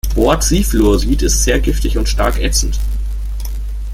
Bortrifluorid ist sehr giftig und stark ätzend.